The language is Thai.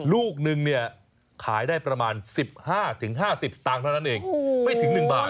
ลูกนึงเนี่ยขายได้ประมาณ๑๕๕๐สตางค์เท่านั้นเองไม่ถึง๑บาท